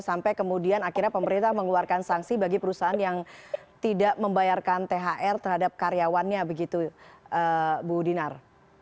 sampai kemudian akhirnya pemerintah mengeluarkan sanksi bagi perusahaan yang tidak membayarkan thr terhadap karyawannya begitu bu dinar